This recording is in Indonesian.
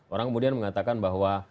orang kemudian mengatakan bahwa